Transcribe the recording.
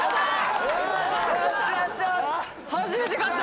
初めて勝った！